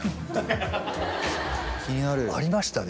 ありましたね